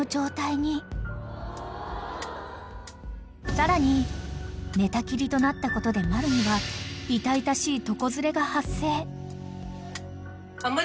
［さらに寝たきりとなったことでマルには痛々しい床ずれが発生］